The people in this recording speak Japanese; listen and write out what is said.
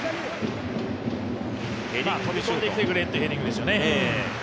飛び込んできてくれというヘディングでしょうね。